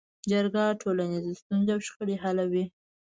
جرګه ټولنیزې ستونزې او شخړې حلوي